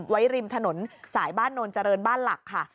ริมถนนสายบ้านโนนเจริญบ้านหลักค่ะ